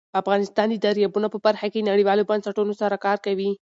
افغانستان د دریابونه په برخه کې نړیوالو بنسټونو سره کار کوي.